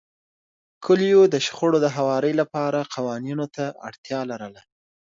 کلیو د شخړو د هواري لپاره قوانینو ته اړتیا لرله.